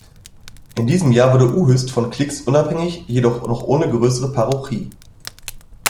In diesem Jahr wurde Uhyst von Klix unabhängig, jedoch noch ohne größere Parochie.